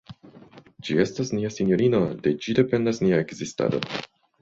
Ĝi estas nia sinjorino, de ĝi dependas nia ekzistado.